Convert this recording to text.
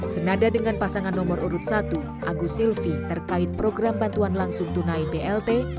senada dengan pasangan nomor urut satu agus silvi terkait program bantuan langsung tunai blt